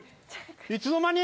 いつの間に？